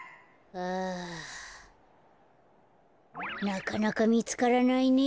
なかなかみつからないね。